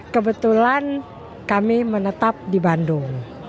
kebetulan kami menetap di bandung